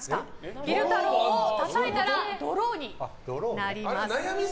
昼太郎をたたいたらドローになります。